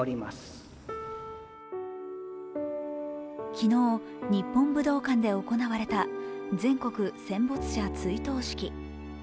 昨日、日本武道館で行われた全国戦没者追悼式。